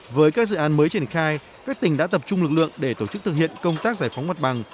với các dự án mới triển khai các tỉnh đã tập trung lực lượng để tổ chức thực hiện công tác giải phóng mặt bằng